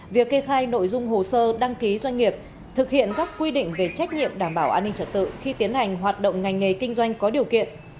việc kê khai nội dung hồ sơ đăng ký doanh nghiệp thực hiện các quy định về trách nhiệm đảm bảo an ninh trật tự khi tiến hành hoạt động ngành nghề kinh doanh có điều kiện